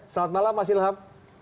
selamat malam mas ilham